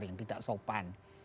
yang tidak sopan